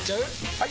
・はい！